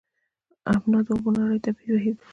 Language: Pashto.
ابنا د اوبو نری طبیعي بهیر دی.